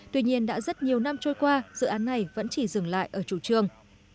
tuy nhiên đã rất nhiều năm trôi qua dự án này vẫn chỉ dừng lại ở chủ trương